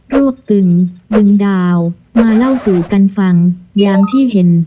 รวบตึงดึงดาวมาเล่าสู่กันฟังอย่างที่เห็น